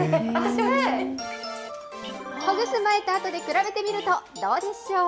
ほぐす前と後で比べてみると、どうでしょう。